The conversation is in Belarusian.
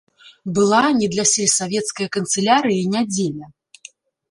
Была не для сельсавецкае канцылярыі нядзеля.